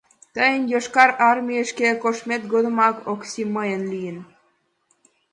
Тыйын Йошкар Армийыште коштмет годымак Окси мыйын лийын.